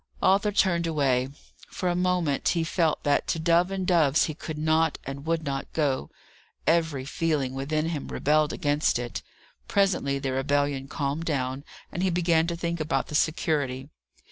Arthur turned away. For a moment he felt that to Dove and Dove's he could not and would not go; every feeling within him rebelled against it. Presently the rebellion calmed down, and he began to think about the security.